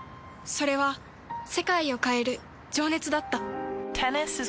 それは世界を変える情熱だった。